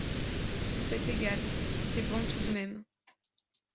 C'est égal … c'est bon tout de même …